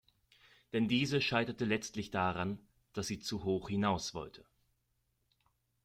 Denn diese scheiterte letztlich daran, dass sie zu hoch hinaus wollte.